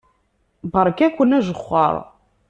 Beṛka-ken ajexxeṛ.